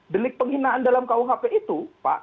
delik penghinaan dalam kuhp itu pak